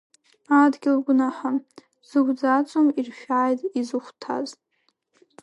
Адгьыл гәнаҳа зықәӡаӡом, иршәааит изыхәҭаз.